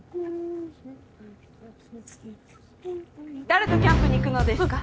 誰とキャンプに行くのですか？